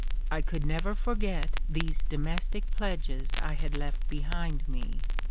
I could never forget these domestic pledges I had left behind me.